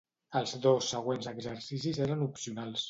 Els dos següents exercicis eren opcionals.